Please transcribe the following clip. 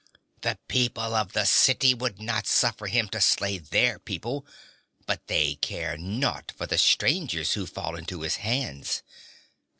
'The people of the city would not suffer him to slay their people, but they care naught for the strangers who fall into his hands.